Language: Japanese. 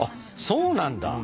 そうなんだ。